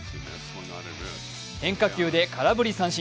変化球で空振り三振。